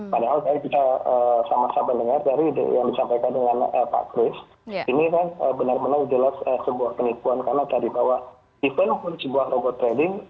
padahal saya bisa sama sama dengar dari yang disampaikan dengan pak kris ini kan benar benar jelas sebuah penipuan karena tadi bahwa event sebuah robot trading